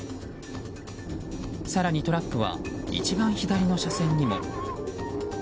更に、トラックは一番左の車線にも。